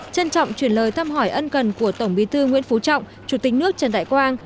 trân trọng chuyển lời thăm hỏi ân cần của tổng bí thư nguyễn phú trọng chủ tịch nước trần đại quang